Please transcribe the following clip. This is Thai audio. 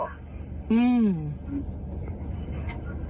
อืม